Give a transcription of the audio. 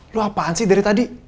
lu apaan sih dari tadi